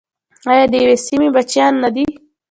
آیا د یوې سیمې بچیان نه دي؟